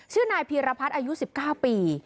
ชื่อนายพีรพัฒน์อายุ๑๙ปี